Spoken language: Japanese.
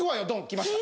きました。